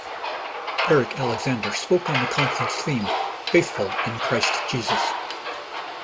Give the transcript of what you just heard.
Eric Alexander spoke on the conference theme Faithful in Christ Jesus.